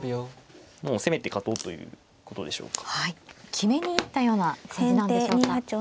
決めに行ったような感じなんでしょうか。